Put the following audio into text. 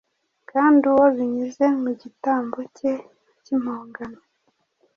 kandi uwo binyuze mu gitambo cye cy’impongano,